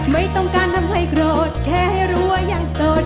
ไม่ต้องการทำให้โกรธแค่ให้รู้ว่ายังโสด